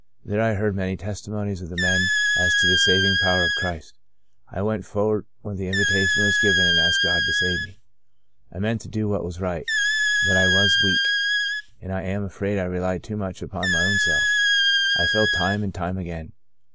There I heard many testimonies of the men as to the saving power of Christ. I went forward when the invitation was given and asked God to save me. I meant to do what was right, but I was weak, and I am afraid I relied too much upon my own self. I fell time and time again.